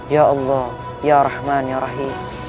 ya allah ya rahman ya rahim